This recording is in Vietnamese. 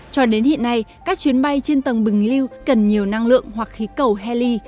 cho đến hiện nay các chuyến bay trên tầng bình lưu cần nhiều năng lượng hoặc khí cầu heli